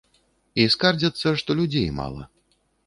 І скардзяцца, што людзей мала.